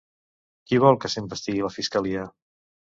Qui vol que s'investigui la fiscalia?